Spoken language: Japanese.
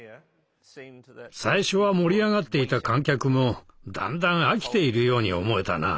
最初は盛り上がっていた観客もだんだん飽きているように思えたな。